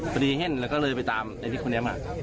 พอดีแห้นแล้วเลยไปตามไอ้ที่เขาเนี่ยมา